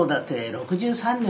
６３年。